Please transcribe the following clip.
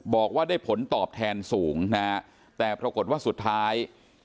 บอกว่าได้ผลตอบแทนสูงนะฮะแต่ปรากฏว่าสุดท้าย